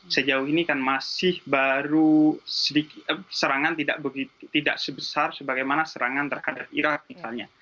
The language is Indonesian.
sejauh ini kan masih baru serangan tidak sebesar sebagaimana serangan terhadap irak misalnya